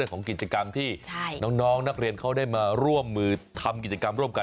ของกิจกรรมที่น้องนักเรียนเขาได้มาร่วมมือทำกิจกรรมร่วมกัน